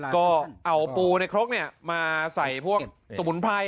ก็เอาปูในครกมาใส่พวกสมุนไพร